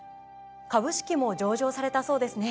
株式も上場されたそうですね？